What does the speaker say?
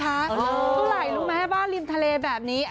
เท่าไหร่รู้ไหมบ้านริมทะเลแบบนี้